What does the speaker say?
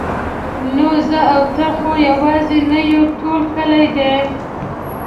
نو زه او ته خو یوازې نه یو ټول کلی دی.